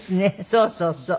そうそうそう。